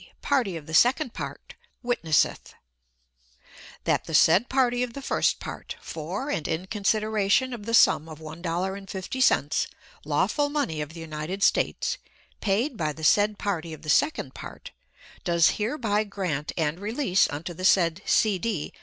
party of the second part, witnesseth: That the said party of the first part, for and in consideration of the sum of $1.50, lawful money of the United States, paid by the said party of the second part, does hereby grant and release unto the said C. D.